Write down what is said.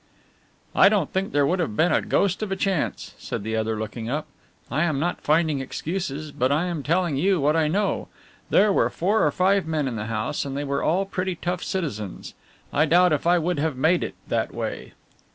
"I don't think there would have been a ghost of a chance," said the other, looking up. "I am not finding excuses, but I am telling you what I know. There were four or five men in the house and they were all pretty tough citizens I doubt if I would have made it that way."